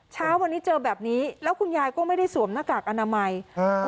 เช้าวันนี้เจอแบบนี้แล้วคุณยายก็ไม่ได้สวมหน้ากากอนามัยอ่า